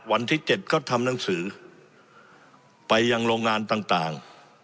วันที่๗ก็ทำหนังสือไปยังโรงงานต่าง